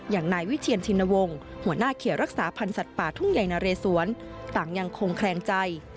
อย่างนายวิเชียนชินวงศ์หัวหน้าเขตรักษาพันธ์สัตว์ป่าทุ่งใหญ่นะเรสวนต่างยังคงแคลงใจ